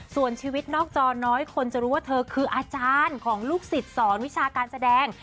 ส่วนชีวิตนอกจอน้อยคนจะรู้ว่าเธอคืออาจารย์ของลูกศิษย์สอนวิชาการแสดง